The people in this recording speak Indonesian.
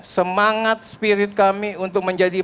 semangat spirit kami untuk menjadi